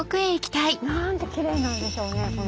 何てキレイなんでしょうね。